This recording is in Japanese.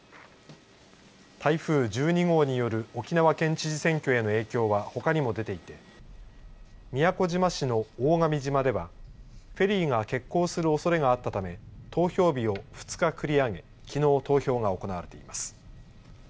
台風１２号による沖縄県知事選挙への影響はほかにも出ていて宮古島市の大神島ではフェリーが欠航するおそれがあったため投票日を２日繰り上げきのう投票が行われています。